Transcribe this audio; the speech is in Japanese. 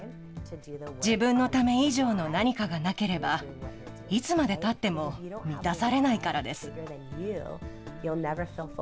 自分のため以上の何かがなければ、いつまでたっても満たされないからです。